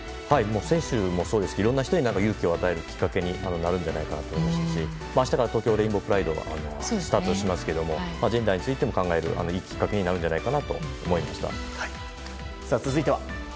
選手もそうですけどいろんな人に勇気を与えるきっかけになるんじゃないかなと思いましたし明日から東京レインボープライドがスタートしますけどもジェンダーについても考えるいいきっかけになると思いました。